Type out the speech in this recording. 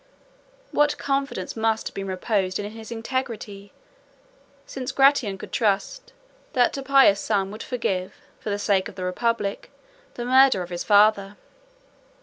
What confidence must have been reposed in his integrity, since Gratian could trust, that a pious son would forgive, for the sake of the republic, the murder of his father!